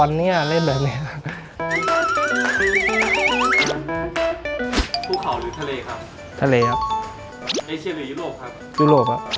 เอเชียหรือยุโรปครับยุโรปครับ